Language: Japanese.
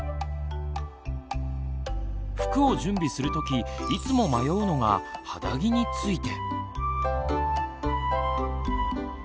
服を準備する時いつも迷うのが肌着について。